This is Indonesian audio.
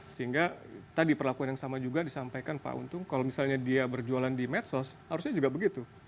sehingga tadi perlakuan yang sama juga disampaikan pak untung kalau misalnya dia berjualan di medsos harusnya juga begitu